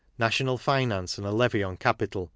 National Finance and a Levy on Capital.